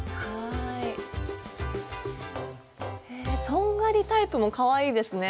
とんがりタイプもかわいいですね。